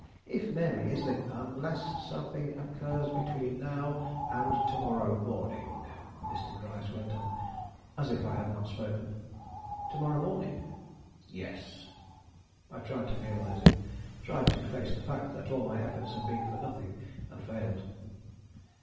If Mary is the ." "Unless something occurs between now and to morrow morning," Mr. Gryce went on, as if I had not spoken. "To morrow morning?" "Yes." I tried to realize it; tried to face the fact that all my efforts had been for nothing, and failed.